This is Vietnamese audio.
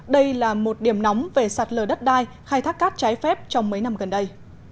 đây là một điểm nóng về sạt lờ đất đai khai thác cát trái phép trong mấy năm gần đây